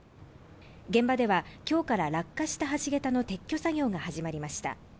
現場では今日から落下した橋桁の撤去作業が始まりました。